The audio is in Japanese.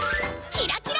キラキラ！